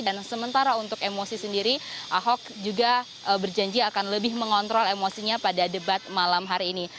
dan sementara untuk emosi sendiri ahok juga berjanji akan lebih mengontrol emosinya pada debat malam hari ini